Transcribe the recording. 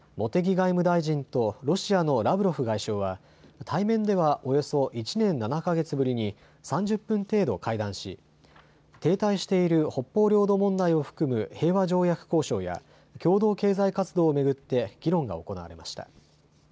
外務大臣とロシアのラブロフ外相は対面ではおよそ１年７か月ぶりに３０分程度、会談し停滞している北方領土問題を含む平和条約交渉や共同経済活動を巡って議論が行われました。